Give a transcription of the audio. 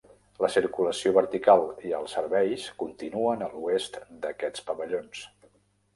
La circulació vertical i els serveis continuen a l'oest d'aquests pavellons.